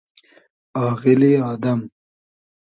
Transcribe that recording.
آغیلی آدئم